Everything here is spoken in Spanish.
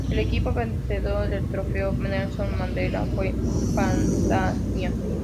El equipo vencedor del trofeo Nelson Mandela fue Padania.